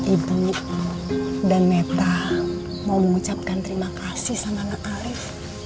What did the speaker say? ibu dan neta mau mengucapkan terima kasih sama anak alif